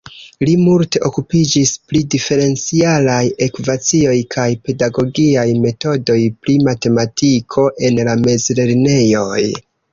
Li multe okupiĝis pri diferencialaj ekvacioj kaj pedagogiaj metodoj pri matematiko en la mezlernejoj.